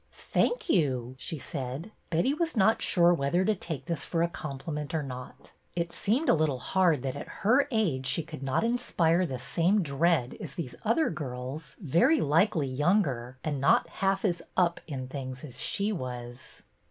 Thank you !" she said. Betty was not sure whether to take this for a compliment or not. It did seem a little hard that at her age she could not inspire the same dread as these other girls, very likely younger, and not half as up " in things as she was.